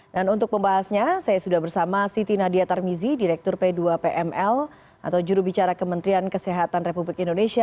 dan untuk pembahasnya saya sudah bersama siti nadia tarmizi direktur p dua pml atau juru bicara kementerian kesehatan republik indonesia